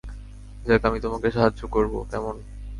Jack, আমি তোমাকে সাহায্য করবো, কেমন?